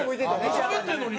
しゃべってるのに。